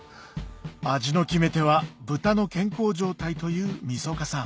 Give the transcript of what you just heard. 味の決め手は豚の健康状態という晦日さん